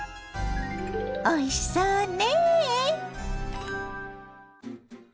おいしそうね。